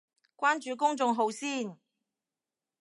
關注公眾號先